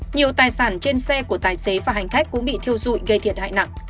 nhiều tài sản trên xe của tài xế và hành khách cũng bị thiêu dụi gây thiệt hại nặng